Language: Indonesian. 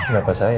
gak masalah ya